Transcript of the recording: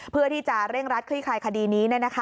เพื่อที่จะเร่งรัดคลี่คลายคดีนี้